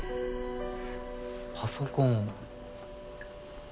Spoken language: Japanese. パソコンを。